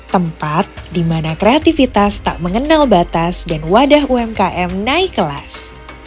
tempat di mana kreativitas tak mengenal batas dan wadah umkm naik kelas